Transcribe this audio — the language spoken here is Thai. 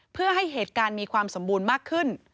เพื่อให้เหตุการณ์มีความสมบูรณ์มากขึ้น